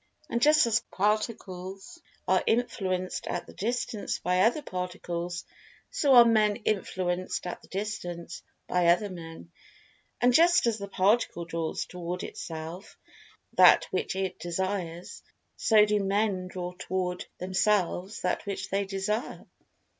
And just as Particles are influenced at a distance by other Particles, so are Men influenced at a distance by other Men. And just as the Particle draws toward itself that which it Desires, so do Men draw toward themselves that which they Desire.